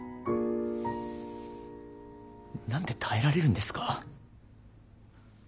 何で耐えられるんですか？